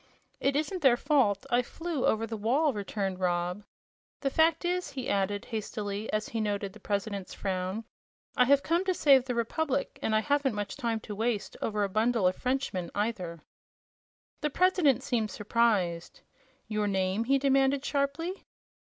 "It isn't their fault; I flew over the wall," returned Rob. "The fact is," he added, hastily, as he noted the President's frown, "I have come to save the Republic; and I haven't much time to waste over a bundle of Frenchmen, either." The President seemed surprised. "Your name!" he demanded, sharply.